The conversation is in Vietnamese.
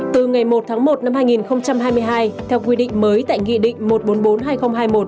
từ ngày một tháng một năm hai nghìn hai mươi hai theo quy định mới tại nghị định một trăm bốn mươi bốn hai nghìn hai mươi một